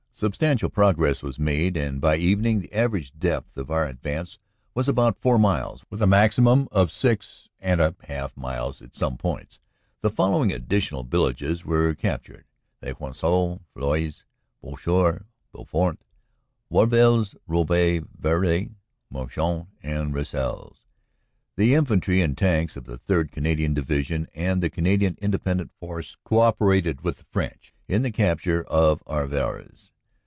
Substantial progress was made, and by evening the average depth of our advance was about four miles, with a maximum of six and a half miles at some points. The following additional villages 52 OPERATIONS: AUG. 9 11 53 were captured : Le Quesnel, Folies, Bouchoir, Beaufort, Warvillers, Rouvroy, Vrely, Meharicourt and Rosieres. The Infantry and Tanks of the 3rd. Canadian Division and the Canadian Independent Force co operated with the French in the capture of Arvillers.